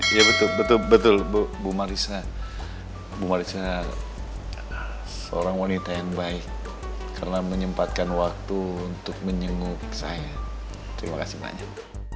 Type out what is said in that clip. iya betul bu marissa seorang wanita yang baik karena menyempatkan waktu untuk menyenguk saya terima kasih banyak